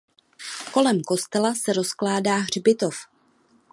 Kolem kostela se rozkládá hřbitov.